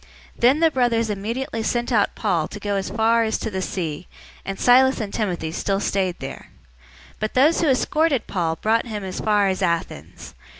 017:014 Then the brothers immediately sent out Paul to go as far as to the sea, and Silas and Timothy still stayed there. 017:015 But those who escorted Paul brought him as far as Athens.